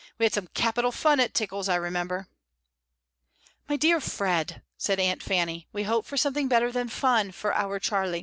We had some capital fun at Tickle's, I remember." "My dear Fred," said Aunt Fanny, "we hope for something better than/ww for our Charlie."